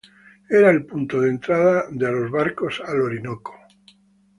Era el punto de entrada de los barcos al Orinoco.